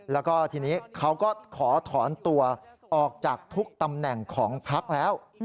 แล้วก็ทีนี้เขาก็ขอถอนตัวออกจากทุกตำแหน่งของพักแล้ว